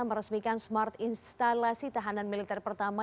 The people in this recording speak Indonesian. meresmikan smart instalasi tahanan militer pertama